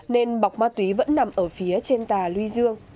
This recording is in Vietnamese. nên bọc ma túy vẫn nằm ở phía trên tà luy dương